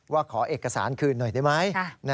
ขอเอกสารคืนหน่อยได้ไหม